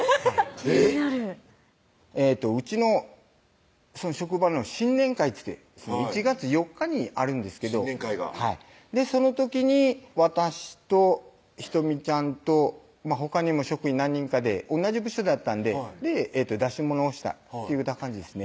えぇっうちの職場の新年会っつって１月４日にあるんですけど新年会がその時に私と仁美ちゃんとほかにも職員何人かで同じ部署だったんで出し物をしたといった感じですね